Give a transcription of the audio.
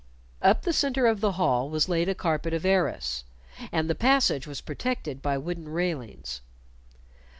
Up the centre of the hall was laid a carpet of arras, and the passage was protected by wooden railings.